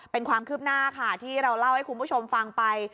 เป็นความคืบหน้าค่ะที่เราเล่าให้คุณผู้ชมฟังไป